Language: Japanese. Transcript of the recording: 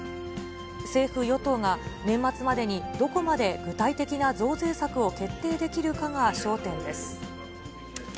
政府・与党が、年末までにどこまで具体的な増税策を決定できるかが焦点です。